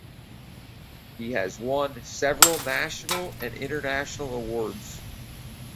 He has won several national and international awards.